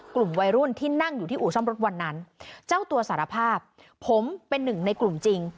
กลุ่มวัยรุ่นที่นั่งอยู่ที่อู่ซ่อมรถวันนั้นเจ้าตัวสารภาพผมเป็นหนึ่งในกลุ่มจริง